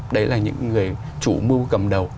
đấy là những người chủ mưu cầm đầu